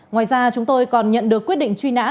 ngoài ra chúng tôi còn nhận được quyết định truy nã